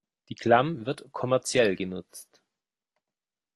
Die Klamm wird kommerziell genutzt.